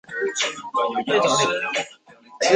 长鳍斑竹鲨为须鲨科斑竹鲨属的鱼类。